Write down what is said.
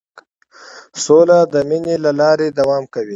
سوله د مینې له لارې دوام کوي.